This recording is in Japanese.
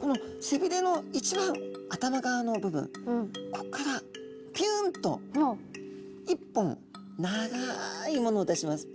この背びれの一番頭側の部分こっからピュンと一本長いものを出します。